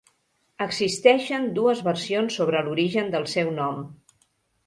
Existeixen dues versions sobre l'origen del seu nom.